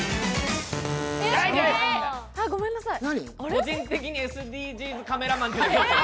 個人的にＳＤＧｓカメラマン。